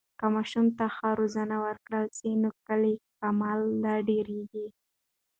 که ماشوم ته ښه روزنه ورکړل سي، نو کلی کمال لا ډېرېږي.